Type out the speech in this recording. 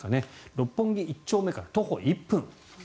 六本木一丁目から徒歩１分。